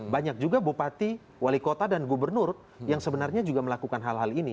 banyak juga bupati wali kota dan gubernur yang sebenarnya juga melakukan hal hal ini